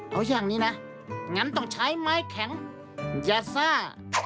เอาอย่างนี้นะงั้นต้องใช้ไม้แข็งยาซ่า